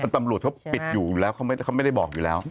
ตำรวจเขาปิดอยู่แล้วเขาไม่ได้บอกอยู่แล้ว